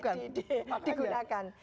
karena itu tidak digunakan